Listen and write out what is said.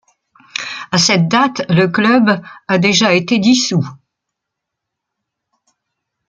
A cette date le club a déjà été dissous.